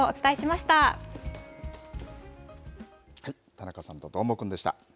田中さんとどーもくんでした。